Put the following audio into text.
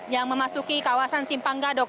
yang memasuki kawasan simpang gadok